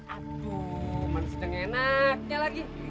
aduh manisnya ngenaknya lagi